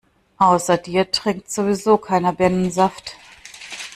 Außer dir trinkt sowieso keiner Birnensaft.